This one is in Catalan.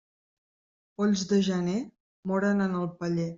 Polls de gener, moren en el paller.